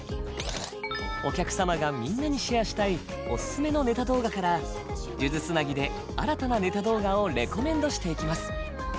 お客様がみんなにシェアしたいオススメのネタ動画から数珠つなぎで新たなネタ動画をれこめんどしていきます。